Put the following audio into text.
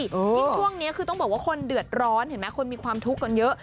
ยิ่งช่วงนี้คือต้องบอกว่าคนเดือดร้อนเห็นไหมคนมีความทุกข์กันเยอะ